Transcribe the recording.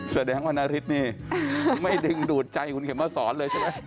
แสดงว่านฤทธิ์นี่ไม่ดึงดูดใจมาสอนเลยใช่ไหม